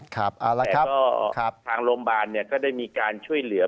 แต่ก็ทางโรงพยาบาลก็ได้มีการช่วยเหลือ